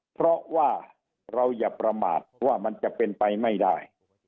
เพราะว่าเราอย่าประมาทว่ามันจะเป็นไปไม่ได้